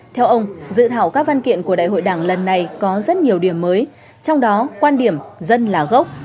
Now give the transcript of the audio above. theo ông dự thảo các văn kiện của đại hội đảng lần này có rất nhiều điểm mới trong đó quan điểm dân là gốc